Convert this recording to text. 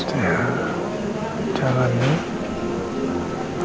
ya jalan ya